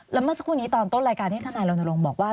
แล้วเมื่อสักครู่นี้ตอนต้นรายการที่ธนายรณรงค์บอกว่า